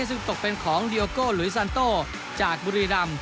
ซึ่งตกเป็นของดิโยโกหลูยซันโตจากบุริรัมย์